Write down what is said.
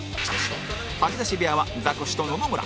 吐き出し部屋はザコシと野々村